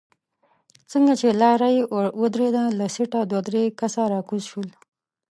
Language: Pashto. څنګه چې لارۍ ودرېده له سيټه دوه درې کسه راکوز شول.